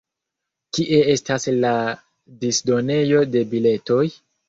Kie estas la disdonejo de biletoj?